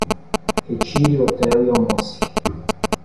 Retire o hotel e almoce